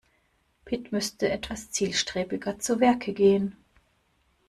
Pit müsste etwas zielstrebiger zu Werke gehen.